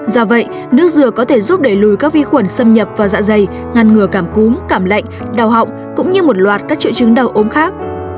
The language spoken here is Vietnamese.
do vậy nước rửa có thể giúp đẩy lùi các vi khuẩn xâm nhập vào dạ dày ngăn ngừa cảm cúm cảm lạnh đau họng cũng như một loạt các triệu chứng đau ốm khác